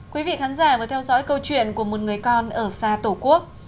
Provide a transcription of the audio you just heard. quý vị khán giả vừa theo dõi câu chuyện của một người con ở xa tổ quốc